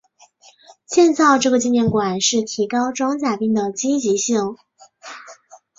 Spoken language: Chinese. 建造这个纪念馆是提高装甲兵的积极性。